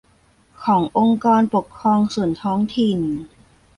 ขององค์กรปกครองส่วนท้องถิ่น